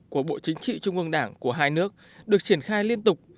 của bộ chính trị trung ương đảng của hai nước được triển khai liên tục